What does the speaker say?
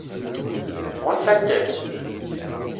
Ɣunfant-tt?